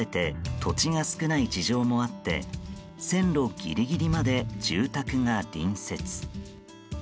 山と海に挟まれて土地が少ない事情もあって線路ギリギリまで住宅が隣接。